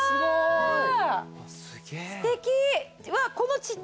すてき。